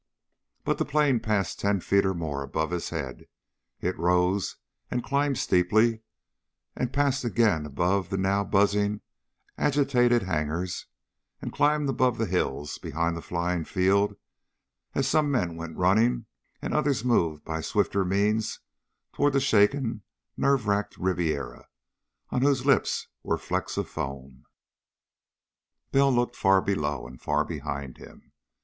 But the plane passed ten feet or more above his head. It rose, and climbed steeply, and passed again above the now buzzing, agitated hangars, and climbed above the hills behind the flying field as some men went running and others moved by swifter means toward the shaken, nerve racked Ribiera, on whose lips were flecks of foam. Bell looked far below and far behind him.